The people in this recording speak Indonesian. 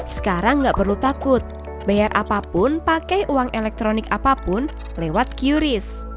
sekarang nggak perlu takut bayar apapun pakai uang elektronik apapun lewat qris